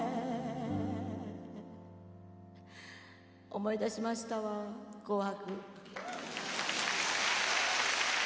思い出しましたわ「紅白」。